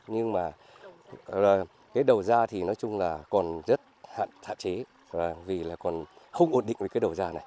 nhưng mà cái đầu da thì nói chung là còn rất hạn chế vì là còn không ổn định với cái đầu da này